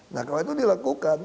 nah kalau itu dilakukan